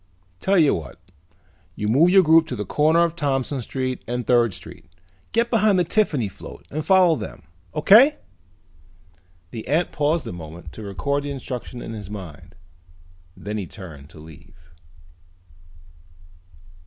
"Tell you what. You move your group to the corner of Thompson Street and Third Street. Get behind the Tiffany float and follow them, okay?" The ant paused a moment to record the instructions in his mind. Then he turned to leave.